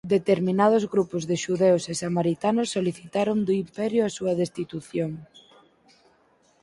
Determinados grupos de xudeus e samaritanos solicitaron do Imperio a súa destitución.